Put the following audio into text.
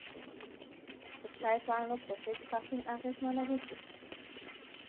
د چای پاڼو پروسس کافین اغېزمنوي.